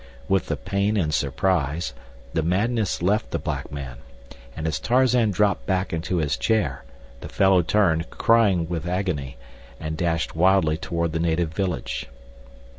With the pain and surprise, the madness left the black man, and as Tarzan dropped back into his chair the fellow turned, crying with agony, and dashed wildly toward the native village.